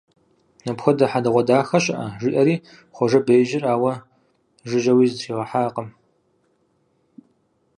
Апхуэдэ хьэдэгъуэдахэ щыӀэ! - жиӀэри, Хъуэжэ беижьыр ауэ жыжьэуи зытригъэхьакъым.